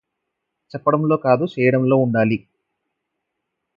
చెప్పడంలో కాదు చేయడంలో ఉండాలి.